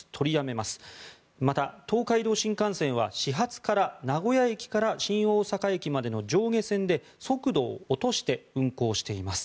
また、東海道新幹線は始発から名古屋駅から新大阪駅までの上下線で速度を落として運行しています。